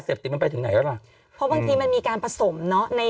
เด็กบางคนทุกวันนั้นจากแบบว่า